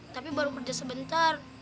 tapi baru kerja sebentar